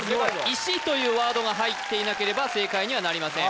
「石」というワードが入っていなければ正解にはなりません